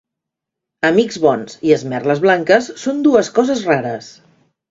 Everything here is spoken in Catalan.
Amics bons i esmerles blanques són dues coses rares.